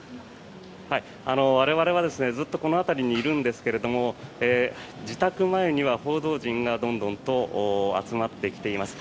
我々はずっとこの辺りにいるんですが自宅前には報道陣がどんどんと集まってきています。